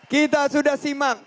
kita sudah simak